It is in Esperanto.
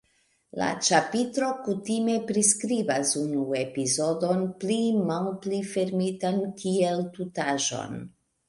La ĉapitro kutime priskribas unu epizodon pli malpli fermitan kiel tutaĵon.